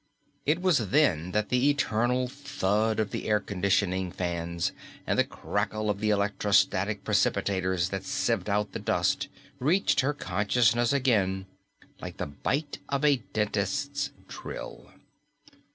It was then that the eternal thud of the air conditioning fans and the crackle of the electrostatic precipitators that sieved out the dust reached her consciousness again like the bite of a dentist's drill.